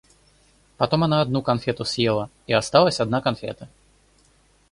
Потом она одну конфету съела и осталась одна конфета.